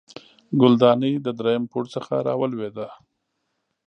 ګلدانۍ د دریم پوړ څخه راولوېده